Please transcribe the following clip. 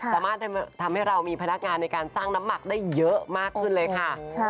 สามารถทำให้เรามีพนักงานในการสร้างน้ำหมักได้เยอะมากขึ้นเลยค่ะ